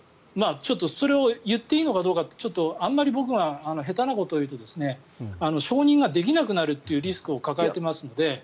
それを言っていいのかどうかあんまり僕が下手なことを言うと承認ができなくなるというリスクを抱えていますので。